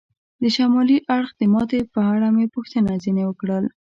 د شمالي اړخ د ماتې په اړه مې پوښتنه ځنې وکړل.